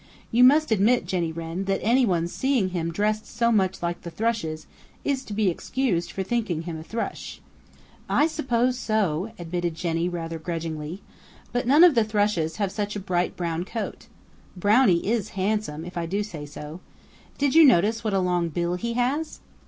You must admit, Jenny Wren, that any one seeing him dressed so much like the Thrushes is to be excused for thinking him a Thrush." "I suppose so," admitted Jenny rather grudgingly. "But none of the Thrushes have such a bright brown coat. Brownie is handsome, if I do say so. Did you notice what a long bill he has?"